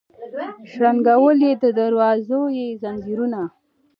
شرنګول د دروازو یې ځنځیرونه